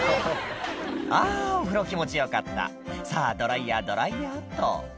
「あお風呂気持ちよかったさぁドライヤードライヤーっと」